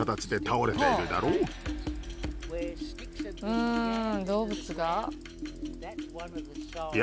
うん動物が？